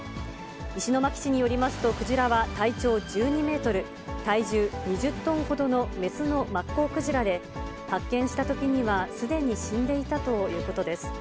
石巻市によりますと、クジラは体長１２メートル、体重２０トンほどの雌のマッコウクジラで、発見したときにはすでに死んでいたということです。